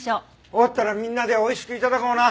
終わったらみんなで美味しく頂こうな。